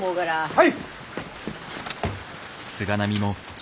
はい！